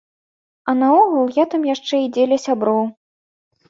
А наогул я там яшчэ і дзеля сяброў.